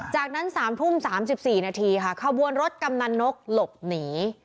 จากนั้นสามทุ่มสามสิบสี่นาทีค่ะขบวนรถกำนักนกหลบหนี